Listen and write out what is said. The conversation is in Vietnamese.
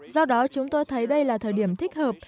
do đó chúng tôi thấy đây là thời điểm thích hợp